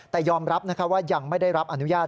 แต่ยอมรับว่ายังไม่ได้รับอนุญาต